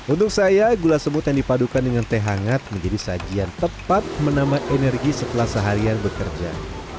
untuk saya gula semut yang dipadukan dengan teh hangat menjadi sajian tepat menambah energi setelah seharian bekerja